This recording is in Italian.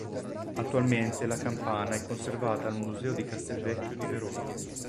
Attualmente la campana è conservata al Museo di Castelvecchio di Verona.